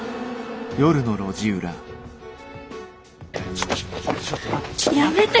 ちょっちょっと待って。